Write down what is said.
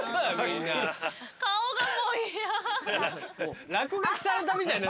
顔がもう嫌。